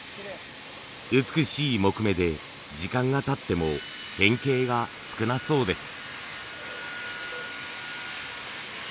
美しい木目で時間がたっても変形が少なそうです。